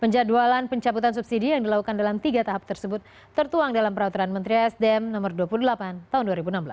penjadwalan pencabutan subsidi yang dilakukan dalam tiga tahap tersebut tertuang dalam peraturan menteri sdm no dua puluh delapan tahun dua ribu enam belas